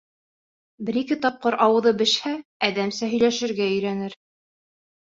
Бер-ике тапҡыр ауыҙы бешһә, әҙәмсә һөйләшергә өйрәнер.